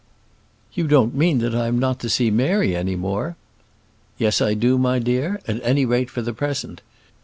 "You don't mean that I am not to see Mary any more?" "Yes, I do, my dear; at any rate, for the present.